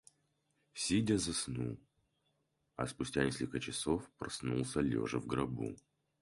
Сидя заснул, а спустя несколько часов проснулся лежа в гробу.